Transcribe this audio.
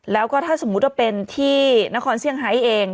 แล้วก็ถ้าสมมุติว่าเป็นที่นครเซี่ยงไฮเอง